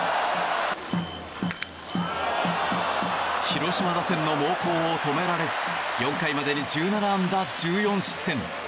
広島打線の猛攻を止められず４回までに１７安打１４失点。